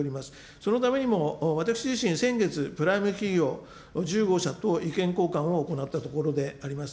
そのためにも私自身、先月、プライム企業の１５社と意見交換を行ったところであります。